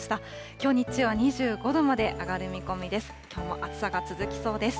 きょう日中は２５度まで上がる見込みです。